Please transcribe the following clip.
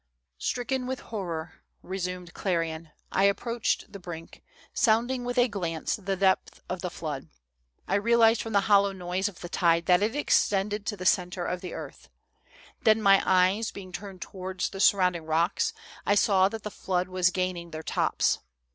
" Stricken with horror," resumed Clerian, " I approached the brink, sounding with a glance the depth of the flood. I realized from the hollow noise of the tide that it extended to the centre of the earth. Then, my eyes being turned towards the surrounding rocks, I saw that the flood was gaining their tops.